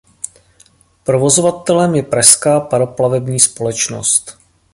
Provozovatelem je Pražská paroplavební společnost.